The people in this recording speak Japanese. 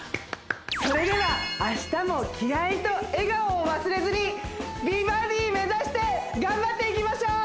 それでは明日も気合いと笑顔を忘れずに美バディ目指して頑張っていきましょう！